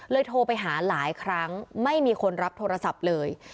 โทรไปหาหลายครั้งไม่มีคนรับโทรศัพท์เลย